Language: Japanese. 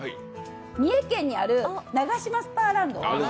三重県にあるナガシマスパーランド。